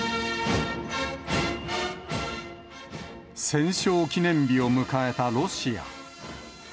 戦勝記念日を迎えたロシア。